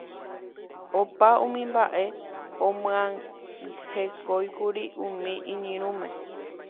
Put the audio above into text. Opa umi mba'e omyangekóikuri umi iñirũme.